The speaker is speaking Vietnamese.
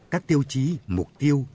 các tiêu chí mục tiêu